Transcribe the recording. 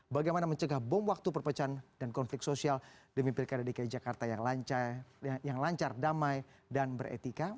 bagaimana mencegah bom waktu perpecahan dan konflik sosial demi pilkada dki jakarta yang lancar damai dan beretika